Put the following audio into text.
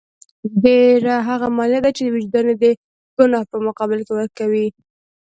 بېره هغه مالیه ده چې وجدان یې د ګناه په مقابل کې ورکوي.